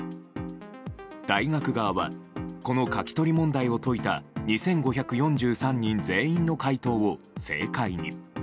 大学側はこの書き取り問題を解いた２５４３人全員の解答を正解に。